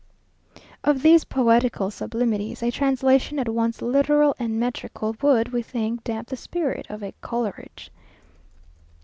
Of these poetical sublimities, a translation at once literal and metrical, would, we think, damp the spirit of a Coleridge.